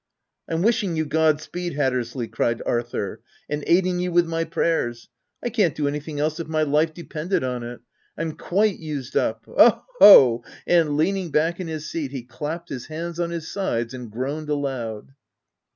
" Pm wishing you God speed, Hattersley," cried Arthur, " and aiding you with my prayers : I can't do anything else if my life depended on it ! Pm quite used up. Oh, ho f 9 and leaning back in his seat, he clapped his hands on his sides and groaned aloud.